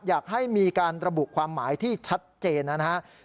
อยากให้มีการระบุความหมายที่ชัดเจนนะครับ